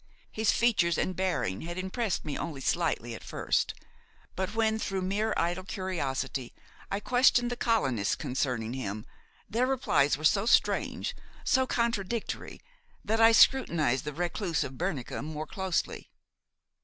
His features and bearing had impressed me only slightly at first; but when, through mere idle curiosity, I questioned the colonists concerning him, their replies were so strange, so contradictory, that I scrutinized the recluse of Bernica more closely.